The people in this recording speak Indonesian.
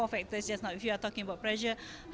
untuk mengurangi tekanan pekerja